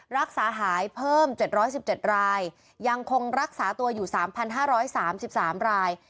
รักษาหายเพิ่ม๗๑๗รายยังคงรักษาตัวอยู่๓๕๓๓ราย